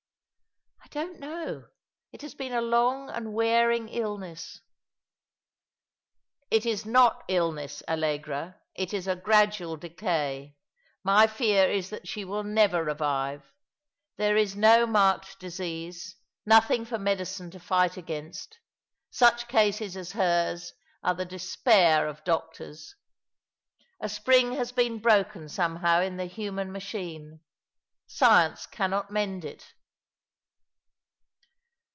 " I don't know. It has been a long and wearing illness." "It is not illness, Allegra. It is a gradual decay. My fear is that she will never revive. There is no marked disease — nothing for medicine to fight against. Such cases as hers are the despair of doctors. A spring has been broken somehow in the human machine. Science cannot mend it."